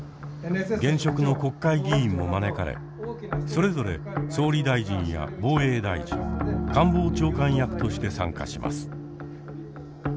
現職の国会議員も招かれそれぞれ総理大臣や防衛大臣官房長官役として参加します。